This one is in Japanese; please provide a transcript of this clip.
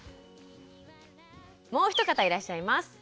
もう一方いらっしゃいます。